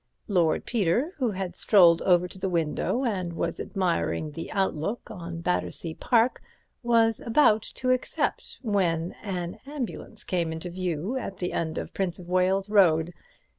Lord Peter, who had strolled over to the window and was admiring the outlook on Battersea Park, was about to accept, when an ambulance came into view at the end of Prince of Wales Road.